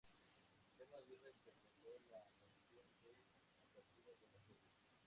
Memo Aguirre interpretó la canción de apertura de la serie.